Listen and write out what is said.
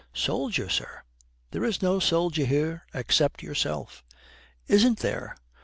'Soldier, sir? There is no soldier here except yourself.' 'Isn't there?